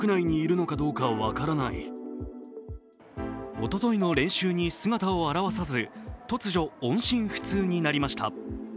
おとといの練習に姿を現さず突如、音信不通になりました。